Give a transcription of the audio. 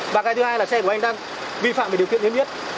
và cái thứ hai là xe của anh đang vi phạm về điều kiện niêm yết